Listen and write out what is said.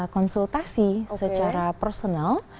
konsultasi secara personal